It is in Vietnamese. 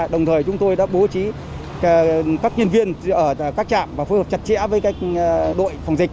đồng thời chúng tôi đã bố trí các nhân viên ở các trạm và phối hợp chặt chẽ với các đội phòng dịch